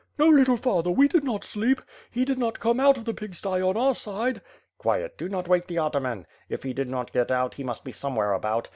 "No, little father, we did not sleep. He did not come out of the pig sty on our side." "Quiet, do not wake the ataman. If he did not get out, he must be somewhere about.